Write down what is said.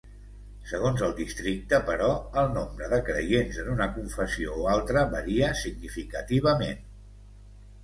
Segons el districte, però, el nombre de creients en una confessió o altra varia significativament.